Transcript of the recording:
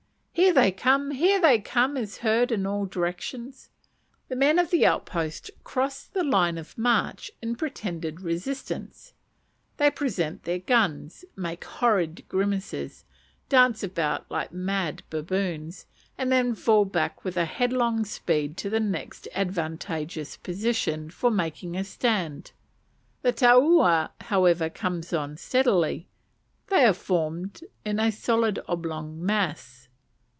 "Here they come! here they come!" is heard in all directions. The men of the outpost cross the line of march in pretended resistance; they present their guns, make horrid grimaces, dance about like mad baboons, and then fall back with headlong speed to the next advantageous position for making a stand. The taua however comes on steadily; they are formed in a solid oblong mass.